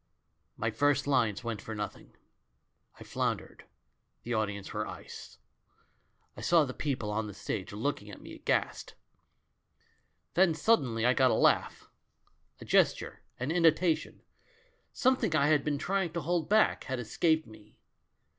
"My first fines went for nothing. I floun dered — the audience were ice; I saw the people on the stage looking at me aghast. Then sudden ly I got a laugh : a gesture, an intonation, some A VERY GOOD THING FOR THE GIRL 3S thing I had been trying to hold back, had es caped me.